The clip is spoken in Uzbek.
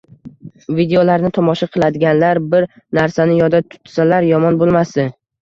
videolarni tomosha qiladiganlar bir narsani yodda tutsalar, yomon bo‘lmasdi: